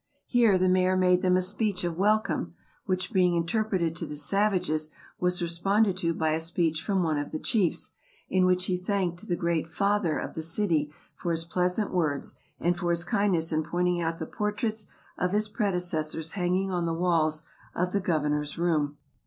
Here the Mayor made them a speech of welcome, which being interpreted to the savages was responded to by a speech from one of the chiefs, in which he thanked the great "Father" of the city for his pleasant words, and for his kindness in pointing out the portraits of his predecessors hanging on the walls of the Governor's room.